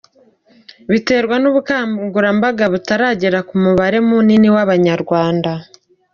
Biterwa n’ubukangurambaga butaragera ku mubare munini w’Abanyarwanda.